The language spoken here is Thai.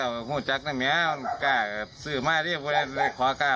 โลกบ้านก็เห็นโลกเขาเยอะเยอะ